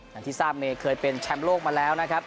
อย่างที่ทราบเมย์เคยเป็นแชมป์โลกมาแล้วนะครับ